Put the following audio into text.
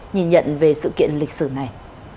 nhìn nhận về sự kiện lịch sử này